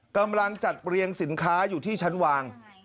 กำลังจัดเรียงสินค้าอยู่ที่ชั้นวาง